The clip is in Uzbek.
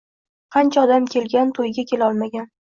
Qancha odam kelgan tuyga kelolmagan